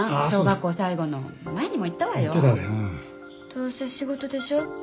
どうせ仕事でしょ？